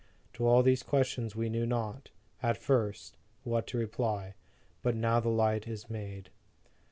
To all these questions we knew not, at first, what to reply. But now the light is made.